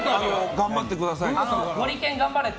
頑張ってくださいって。